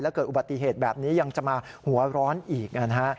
เกิดอุบัติเหตุแบบนี้ยังจะมาหัวร้อนอีกนะฮะ